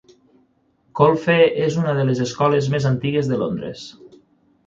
Colfe és una de les escoles més antigues de Londres.